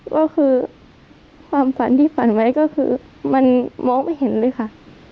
ก็คือความฝันที่ฝันไว้ก็คือมันมองไม่เห็นเลยค่ะ